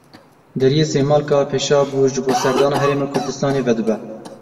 Deriyê Sêmalka Pêşabûr ji bo serdana Herêma Kurdistanê vedibe.